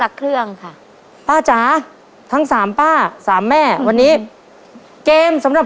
ครอบครัวของแม่ปุ้ยจังหวัดสะแก้วนะครับ